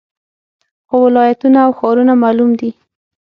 خو ولایتونه او ښارونه معلوم دي